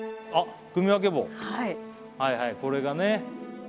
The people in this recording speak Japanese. はいはいこれがね